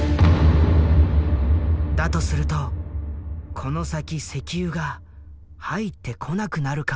だとするとこの先石油が入ってこなくなるかも。